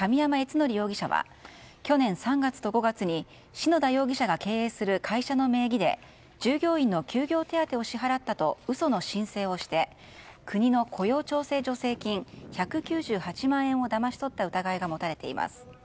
智容疑者は去年３月と５月に篠田容疑者が経営する会社の名義で従業員の休業手当を支払ったと嘘の申請をして国の雇用調整助成金１９８万円をだまし取った疑いが持たれています。